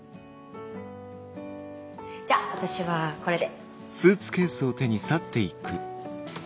じゃあ私はこれで。